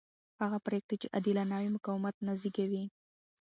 هغه پرېکړې چې عادلانه وي مقاومت نه زېږوي